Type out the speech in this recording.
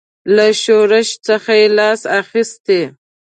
له شورش څخه یې لاس اخیستی.